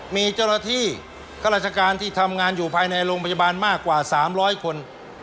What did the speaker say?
มีเจ้าหน้าที่ข้าราชการที่ทำงานอยู่ภายในโรงพยาบาลมากกว่า๓๐๐คน